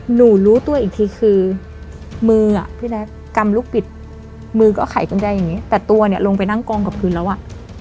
หนูรู้ตัวอีกทีคือมืออ่ะพี่แจ๊คกำลูกปิดมือก็ไขกุญแจอย่างนี้แต่ตัวเนี่ยลงไปนั่งกองกับพื้นแล้วอ่ะ